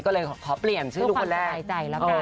ร้านนี้ก็เลยขอเปลี่ยนชื่อทุกคนแรก